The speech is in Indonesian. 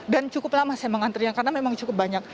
dan cukup lama saya mengantri karena memang cukup banyak